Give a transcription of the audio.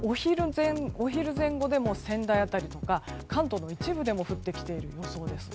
お昼前後でも、仙台辺りとか関東の一部でも降ってきている予想です。